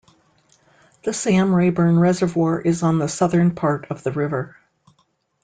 The Sam Rayburn Reservoir is on the southern part of the river.